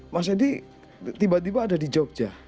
mas edi tiba tiba ada di jogja